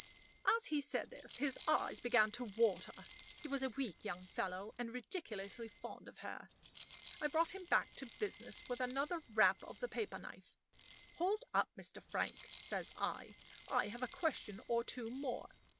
As he said this his eyes began to water. He was a weak young fellow, and ridiculously fond of her. I brought him back to business with another rap of the paper knife. "Hold up, Mr. Frank," says I. "I have a question or two more.